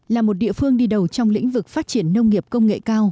là một địa phương đi đầu trong lĩnh vực phát triển nông nghiệp công nghệ cao